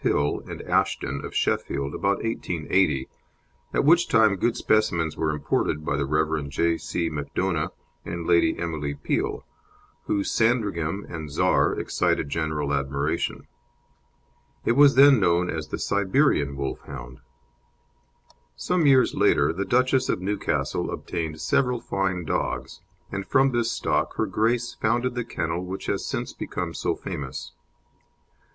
Hill and Ashton, of Sheffield, about 1880, at which time good specimens were imported by the Rev. J. C. Macdona and Lady Emily Peel, whose Sandringham and Czar excited general admiration. It was then known as the Siberian Wolfhound. Some years later the Duchess of Newcastle obtained several fine dogs, and from this stock Her Grace founded the kennel which has since become so famous.